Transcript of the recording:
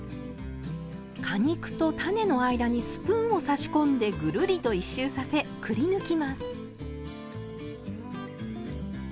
果肉と種の間にスプーンを差し込んでぐるりと１周させくりぬきます。